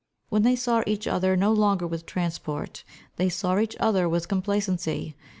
When they saw each other no longer with transport, they saw each other with complacency.